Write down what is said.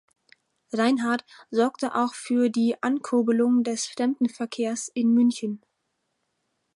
Reinhard sorgte auch für die Ankurbelung des Fremdenverkehrs in München.